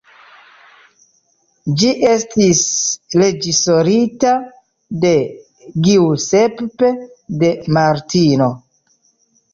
Ĝi estis reĝisorita de Giuseppe De Martino.